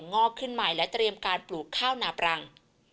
งอกขึ้นใหม่และเตรียมการปลูกข้าวนาปรัง